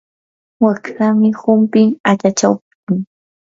waqtamii humpin achachaptin.